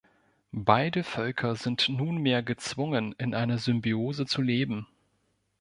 Beide „Völker“ sind nunmehr gezwungen, in einer Symbiose zu leben.